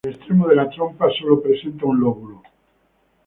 El extremo de la trompa sólo presenta un lóbulo.